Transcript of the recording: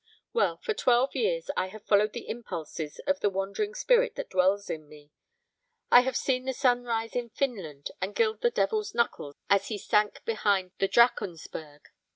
Well, for twelve years I have followed the impulses of the wandering spirit that dwells in me. I have seen the sun rise in Finland and gild the Devil's Knuckles as he sank behind the Drachensberg.